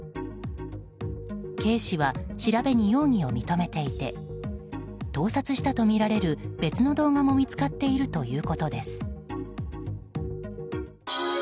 警視は、調べに容疑を認めていて盗撮したとみられる別の動画も見つかっているということです。